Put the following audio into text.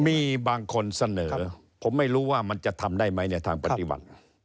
มีบางคนเสนอผมไม่รู้ว่ามันจะทำได้ไหมในทางปฏิบัติ